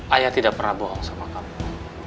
ayah tidak pernah bohong sama kamu